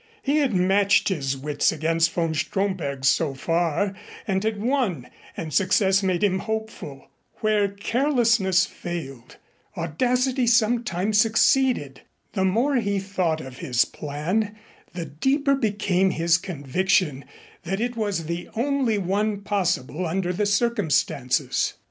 He had matched his wits against von Stromberg's so far and had won, and success made him hopeful. Where carefulness failed, audacity sometimes succeeded. The more he thought of his plan, the deeper became his conviction that it was the only one possible under the circumstances.